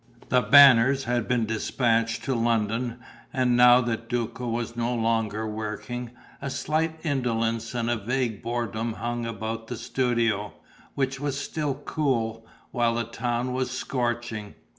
The Banners had been dispatched to London; and, now that Duco was no longer working, a slight indolence and a vague boredom hung about the studio, which was still cool, while the town was scorching.